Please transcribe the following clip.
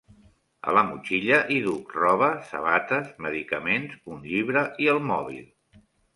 A la motxilla hi duc roba, sabates, medicaments, un llibre i el mòbil!